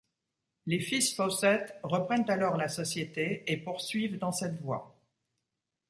Les fils Fawcett reprennent alors la société et poursuivent dans cette voie.